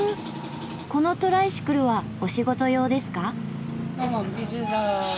このトライシクルはお仕事用ですか？